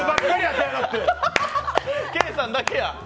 ケイさんだけや。